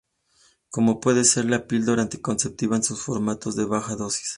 Como pueden ser la píldora anticonceptiva en sus formatos de baja dosis.